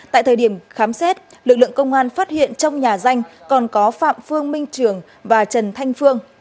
tại thời điểm khám xét lực lượng công an phát hiện trong nhà danh còn có phạm phương minh trường và trần thanh phương